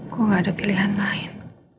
kok gak ada pilihan lain